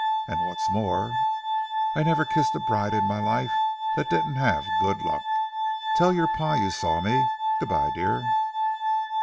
And what's more, I never kissed a bride in my life that didn't have good luck. Tell your pa you saw me. Good by, dear."